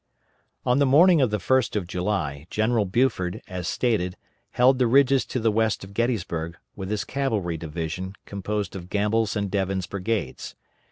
On the morning of the 1st of July, General Buford, as stated, held the ridges to the west of Gettysburg, with his cavalry division, composed of Gamble's and Devin's brigades.